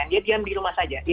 dia diam di rumah saja